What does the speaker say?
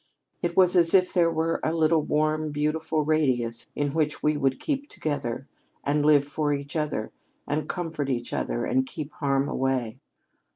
It was as if there were a little warm beautiful radius in which we could keep together, and live for each other, and comfort each other, and keep harm away."